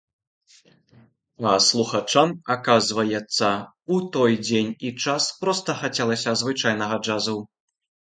А слухачам, аказваецца, у той дзень і час, проста хацелася звычайнага джазу.